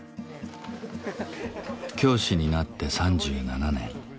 教師になって３７年。